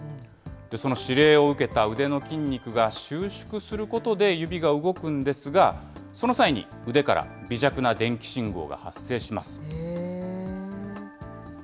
その指令を受けた腕の筋肉が収縮することで指が動くんですが、その際に、腕から微弱な電気信号が発生します。